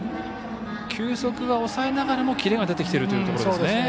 球速は抑えながらもキレが出てきているというところですね。